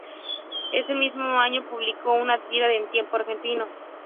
Ese mismo año publicó una tira en Tiempo Argentino.